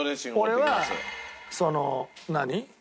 俺はその何？